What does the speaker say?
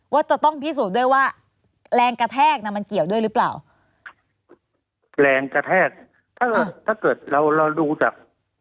ว่าจะต้องพิสูจน์ด้วยว่าแรงกระแทกน่ะมันเกี่ยวด้วยหรือเปล่าแรงกระแทกถ้าเกิดเราเราดูจาก